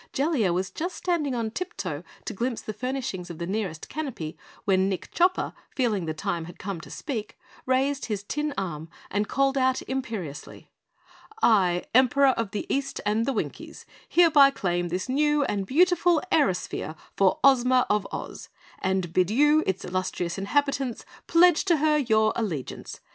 Jellia was just standing on tip toe to glimpse the furnishings of the nearest Canopy when Nick Chopper, feeling the time had come to speak, raised his tin arm and called out imperiously: "I, Emperor of the East and the Winkies, hereby claim this new and beautiful airosphere for Ozma of Oz, and bid you, its illustrious inhabitants, pledge to her your allegiance!